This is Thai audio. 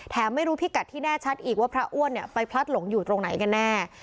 ไม่รู้พิกัดที่แน่ชัดอีกว่าพระอ้วนไปพลัดหลงอยู่ตรงไหนกันแน่